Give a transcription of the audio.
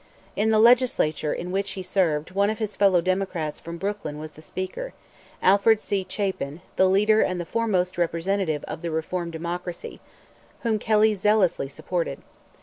In the Legislature in which he served one of his fellow Democrats from Brooklyn was the Speaker Alfred C. Chapin, the leader and the foremost representative of the reform Democracy, whom Kelly zealously supported.